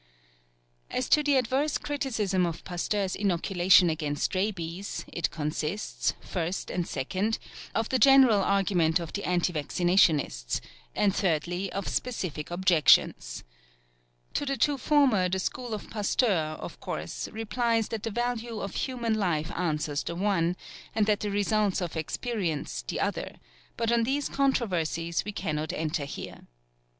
As to the adverse criticism of Pasteur's inoculation against rabies, it consists, first and second, of the general argument of the anti vaccinationists, and thirdly, of specific objections. To the two former the school of Pasteur, of course, replies that the value of human life answers the one, and the results of experience the other; but on these controversies we cannot enter here.